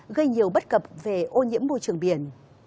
gây nhiều bất cập về ô nhiễm môi trường biển